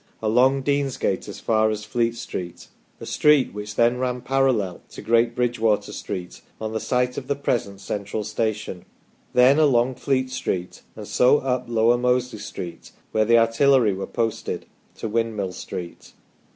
along Deansgate as far as Fleet Street (a street which then ran paral ARRIVAL OF THE MANCHESTER YEOMANRY 27 lei to Great Bridgwater Street, on the site of the present Central Station), then along Fleet Street, and so up Lower Mosley Street, where the artillery were posted, to Windmill Street.